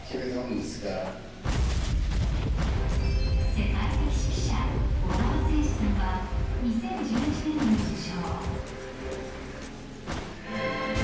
世界的指揮者小澤征爾さんは２０１１年に受賞。